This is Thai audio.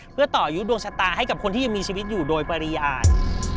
เพื่อต่อยุคดวงชะตาให้กับคนที่ยังมีชีวิตอยู่โดยปริญญาณ